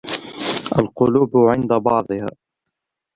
القلوب عند بعضها